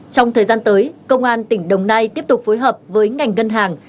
trong thời gian tới công an tỉnh đồng nai tiếp tục phối hợp với ngành ngân hàng